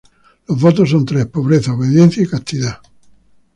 Los votos son tres: pobreza, obediencia y castidad.